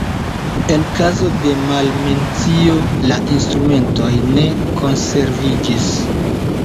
En kazo de malmencio la instrumentoj ne konserviĝis.